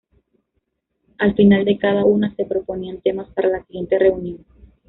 Al final de cada una se proponían temas para la siguiente reunión.